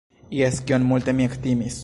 Jes, kiom multe mi ektimis!